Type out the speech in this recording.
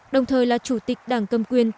đồng thời là chủ tịch đảng cầm quyền